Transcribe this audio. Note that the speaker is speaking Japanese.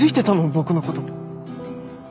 僕のこと。